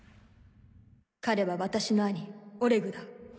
彼は私の兄オレグだ。